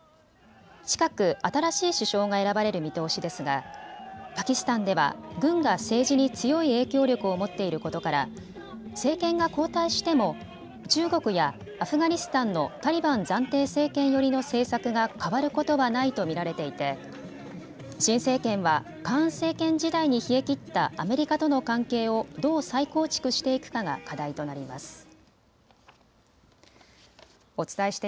近く新しい首相が選ばれる見通しですがパキスタンでは軍が政治に強い影響力を持っていることから政権が交代しても中国やアフガニスタンのタリバン暫定政権寄りの政策が変わることはないと見られていて新政権はカーン政権時代に冷えきったアメリカとの関係をどう再構築していくかが課題となります。